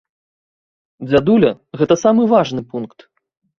Дзядуля, гэта самы важны пункт.